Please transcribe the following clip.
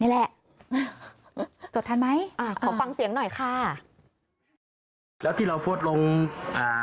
แหละจดทันไหมอ่าขอฟังเสียงหน่อยค่ะแล้วที่เราโพสต์ลงอ่า